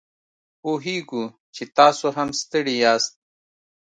پوهیږو چې تاسو هم ستړي یاست